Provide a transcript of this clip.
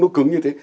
nó cứng như thế